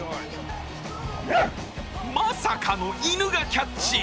まさかの犬がキャッチ。